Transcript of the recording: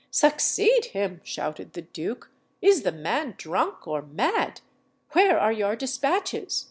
"Succeed him!" shouted the duke; "is the man drunk or mad? Where are your despatches?"